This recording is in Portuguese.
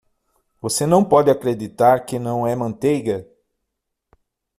Você não pode acreditar que não é manteiga?